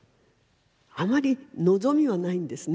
あまり望みはないんですね。